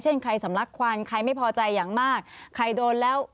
ใครสำลักควันใครไม่พอใจอย่างมากใครโดนแล้ว